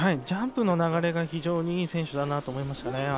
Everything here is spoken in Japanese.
ジャンプの流れが非常に良い選手だなと思いました。